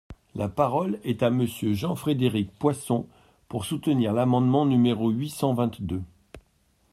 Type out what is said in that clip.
La parole est à Monsieur Jean-Frédéric Poisson, pour soutenir l’amendement numéro huit cent vingt-deux.